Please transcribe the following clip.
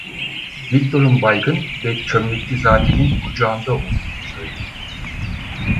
Viktor'un baygın ve Çömlekçizade'nin kucağında olduğunu söyledi…